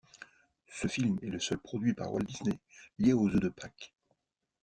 Ce film est le seul produit par Walt Disney lié aux œufs de Pâques.